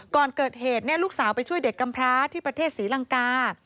ก่อนเกิดเหตุลูกสาวไปช่วยเด็กกำพร้าที่ประเทศศรีลังกา